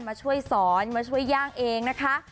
มาช่วยสอนมาช่วยย่างเองนะคะ